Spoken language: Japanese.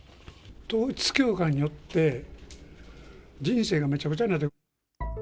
統一教会によって、人生がめちゃくちゃになった。